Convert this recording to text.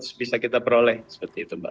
ya kita bisa kita peroleh seperti itu mbak